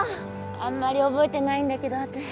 あんまり覚えてないんだけど私。